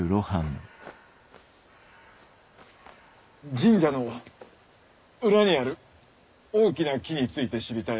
神社の裏にある「大きな木」について知りたい。